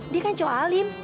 dia kan cowok alim